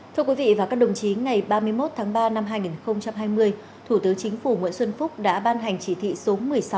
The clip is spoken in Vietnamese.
thưa quý vị và các đồng chí ngày ba mươi một tháng ba năm hai nghìn hai mươi thủ tướng chính phủ nguyễn xuân phúc đã ban hành chỉ thị số một mươi sáu